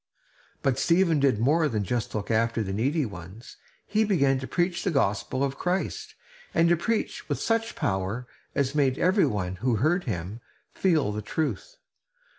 But Stephen did more than to look after the needy ones. He began to preach the gospel of Christ, and to preach with such power as made every one who heard him feel the truth.